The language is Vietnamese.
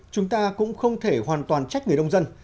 chúng ta cũng không thể hoàn toàn trách người nông dân